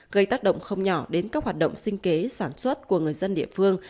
gây tác động không nhỏ đến các hoạt động sinh kế sản xuất của người dân địa phương